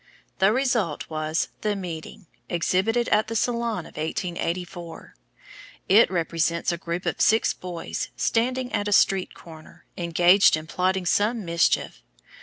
The result was The Meeting, exhibited at the Salon of 1884. It represents a group of six boys, standing at a street corner, engaged in plotting some mischief.